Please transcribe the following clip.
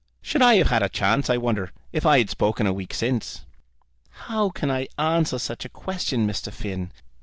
"Should I have had a chance, I wonder, if I had spoken a week since?" "How can I answer such a question, Mr. Finn?